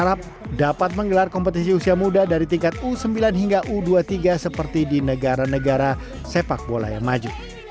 dan juga dapat menggelar kompetisi usia muda dari tingkat u sembilan hingga u dua puluh tiga seperti di negara negara sepak bola yang maju